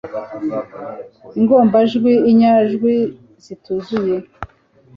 ingombajwi, inyajwi zituzuye